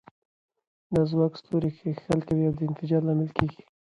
دا ځواک ستوري کښیکښل کوي او د انفجار لامل ګرځي.